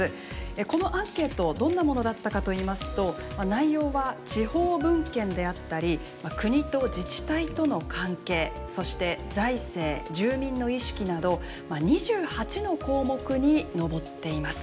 このアンケートどんなものだったかといいますと内容は地方分権であったり国と自治体との関係そして財政住民の意識など２８の項目に上っています。